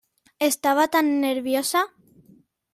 Estaba tan nerviosa".